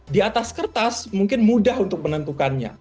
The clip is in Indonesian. di atas kertas mungkin mudah untuk menentukannya